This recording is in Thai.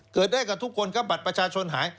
เกิดได้กับทุกคนครับบัตรประชาชนหาย